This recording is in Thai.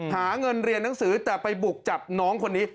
หาเงินเรียนหนังสือแต่ไปบุกจับน้องคนนี้